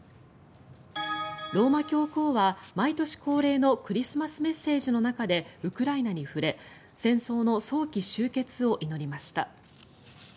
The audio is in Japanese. ローマ教皇は毎年恒例のクリスマスメッセージの中でウクライナに触れ戦争の早期終結を祈りました。